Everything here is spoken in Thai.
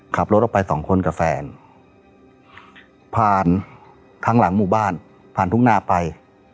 ขับรถออกไปสองคนกับแฟนผ่านทั้งหลังหมู่บ้านผ่านทุ่งนาไป